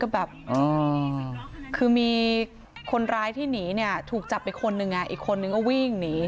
จริงมีคนร้ายที่หนีถูกจับไอ้คนหนึ่งอีกคนหนึ่งก็วิ่งหนี